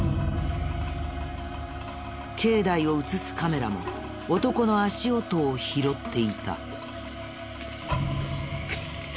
境内を映すカメラも男の足音を拾っていた。